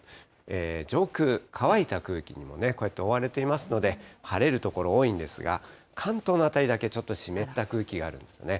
上空、乾いた空気にも、こうやって覆われていますので、晴れる所多いんですが、関東の辺りだけ、ちょっと湿った空気があるんですね。